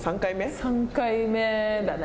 ３回目だね。